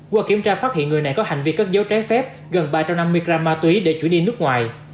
qua kiểm tra phát hiện người này có hành vi cất dấu trái phép gần ba trăm năm mươi gram ma túy để chuyển đi nước ngoài